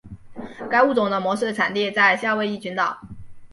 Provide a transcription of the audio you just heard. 该物种的模式产地在夏威夷群岛。